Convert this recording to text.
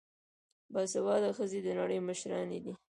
باسواده ښځې د نړۍ مشرانې دي.